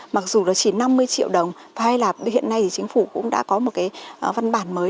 mặc dù nó chỉ năm mươi triệu đồng hay là hiện nay thì chính phủ cũng đã có một cái văn bản mới